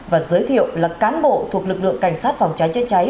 và giới thiệu là cán bộ thuộc lực lượng cảnh sát phòng cháy chữa cháy